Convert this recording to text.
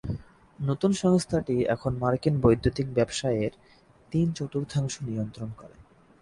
নতুন সংস্থাটি এখন মার্কিন বৈদ্যুতিক ব্যবসায়ের তিন চতুর্থাংশ নিয়ন্ত্রণ করে।